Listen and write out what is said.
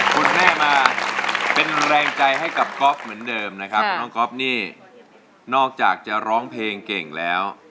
คุณแม่มาเป็นแรงใจให้กับก๊อฟเหมือนเดิมนะครับน้องก๊อฟนี่นอกจากจะร้องเพลงเก่งแล้ว